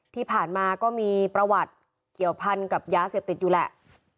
ที่ผ่านมาก็มีประวัติเกี่ยวพันกับยาเสพติดอยู่แหละ